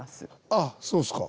あっそうですか。